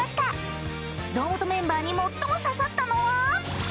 ［堂本メンバーに最も刺さったのは⁉］